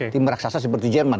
tim raksasa seperti jerman